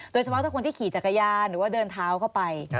โดยเฉพาะถ้าคนที่ขี่จักรยานหรือว่าเดินเท้าเข้าไป